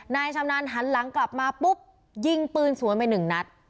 นายชำนาญหันหลังกลับมาปุ๊บยิงปืนสวนไปหนึ่งนัด